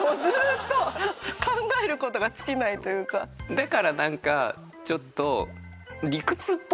だからなんかちょっと。